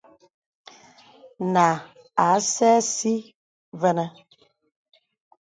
Nǎ à sɛ̀ɛ̀ si və̀nə̀.